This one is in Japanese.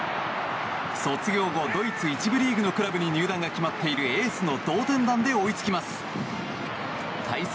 卒業後、ドイツ１部リーグのクラブへの入団が決まっているエースの同点弾で追いつきます。